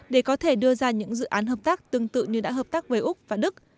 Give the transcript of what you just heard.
để có thể đưa ra những dự án hợp tác tương tự như đã hợp tác với úc và đức